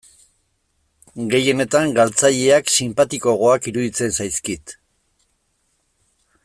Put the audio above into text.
Gehienetan galtzaileak sinpatikoagoak iruditzen zaizkit.